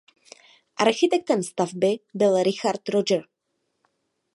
Architektem stavby byl Richard Rogers.